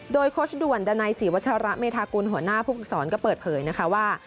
โดยโคชด่วนดันไนศรีวชาระเมธากุลหัวหน้าผู้ปรักษรก็เปิดเผยว่า